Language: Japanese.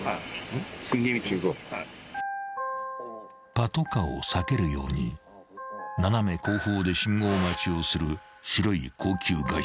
［パトカーを避けるように斜め後方で信号待ちをする］